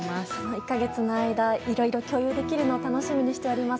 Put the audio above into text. １か月の間いろいろ共有できるのを楽しみにしております。